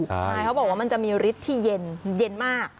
ใช่เขาบอกว่ามันจะมีฤทธิ์ที่เย็นมาก